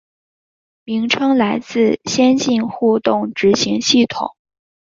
名称来自先进互动执行系统。